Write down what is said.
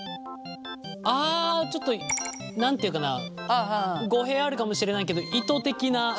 ああちょっと何て言うかな語弊あるかもしれないけど糸的な。